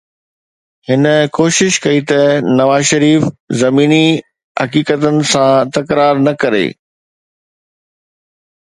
هن ڪوشش ڪئي ته نواز شريف زميني حقيقتن سان ٽڪراءُ نه ڪري.